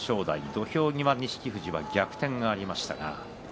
土俵際に錦富士は逆転がありました。